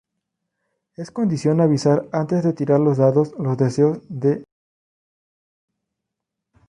Es condición avisar antes de tirar los dados los deseos de quedarse.